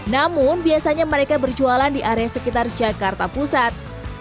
namun biasanya mereka berjualan di area sekitar jakarta pusat